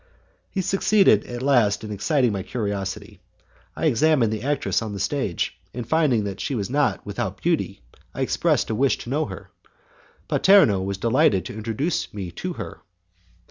He succeeded at last in exciting my curiosity. I examined the actress on the stage, and finding that she was not without beauty I expressed a wish to know her. Paterno was delighted to introduce me to her.